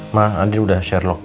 ma adi udah sherlock